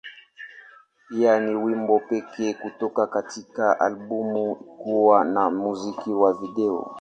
Pia, ni wimbo pekee kutoka katika albamu kuwa na muziki wa video.